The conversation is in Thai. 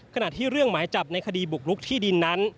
ขณะที่เรื่องหมายจับในคดีบุกลุกที่ดินนั้น